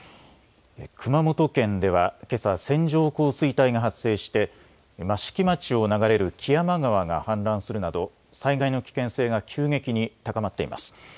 熊本県では、けさ線状降水帯が発生して益城町を流れる木山川が氾濫するなど災害の危険性が急激に高まっています。